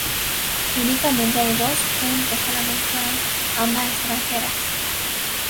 Únicamente hay dos fuentes que la mencionan, ambas extranjeras.